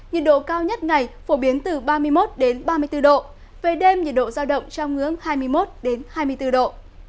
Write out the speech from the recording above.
nhiệt độ cao nhất ngày phổ biến từ ba mươi một ba mươi bốn độ về đêm nhiệt độ giao động trong ngưỡng hai mươi một hai mươi bốn độ